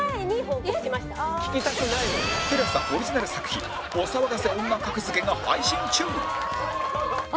ＴＥＬＡＳＡ オリジナル作品お騒がせ女格付けが配信中！